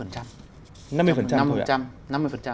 năm mươi thôi ạ